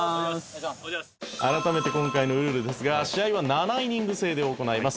「改めて今回のルールですが試合は７イニング制で行います」